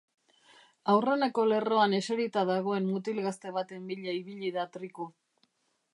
Aurreneko lerroan eserita dagoen mutil gazte baten bila ibili da Triku.